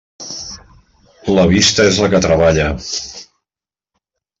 La vista és la que treballa.